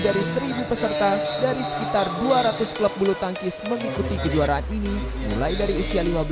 dari seribu peserta dari sekitar dua ratus klub bulu tangkis mengikuti kejuaraan ini mulai dari usia